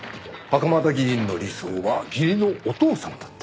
袴田議員の理想は義理のお父さんだった。